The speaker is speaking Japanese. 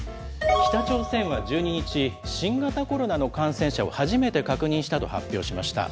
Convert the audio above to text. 北朝鮮は１２日、新型コロナの感染者を初めて確認したと発表しました。